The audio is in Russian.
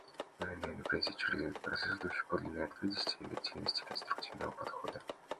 Мы намерены пройти через этот процесс в духе подлинной открытости, объективности и конструктивного подхода.